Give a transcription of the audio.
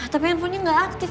tapi handphonenya gak aktif